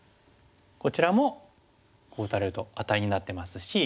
こちらもこう打たれるとアタリになってますし。